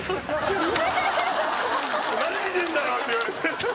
「何見てんだよ」って言われて。